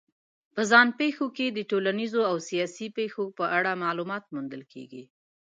په ځان پېښو کې د ټولنیزو او سیاسي پېښو په اړه معلومات موندل کېږي.